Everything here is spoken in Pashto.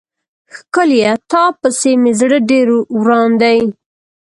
ښکليه تا پسې مې زړه ډير وران دی.